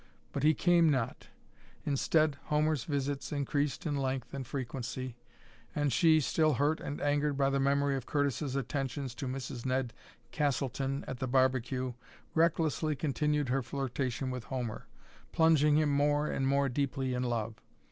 But he came not; instead, Homer's visits increased in length and frequency, and she, still hurt and angered by the memory of Curtis's attentions to Mrs. Ned Castleton at the barbecue, recklessly continued her flirtation with Homer, plunging him more and more deeply in love.